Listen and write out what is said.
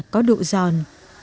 có độ giòn